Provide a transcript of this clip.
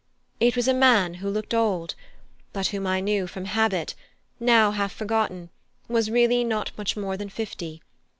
It was a man who looked old, but whom I knew from habit, now half forgotten, was really not much more than fifty.